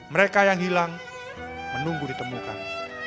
mereka yang hilang menunggu ditemukan